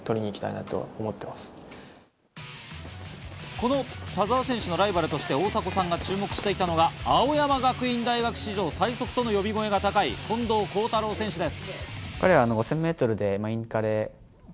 この田澤選手のライバルとして大迫さんが注目していたのは青山学院大学史上最速との呼び声が高い近藤幸太郎選手です。